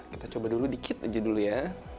kita coba dulu dikit aja dulu ya